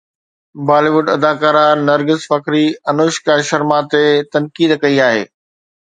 بالي wood اداڪارا نرگس فخري انوشڪا شرما تي تنقيد ڪئي آهي